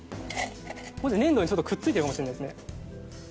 粘土にくっついてるかもしれないですね。